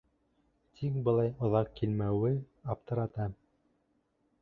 Тик былай оҙаҡ килмәүе аптырата.